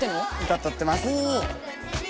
歌歌ってます！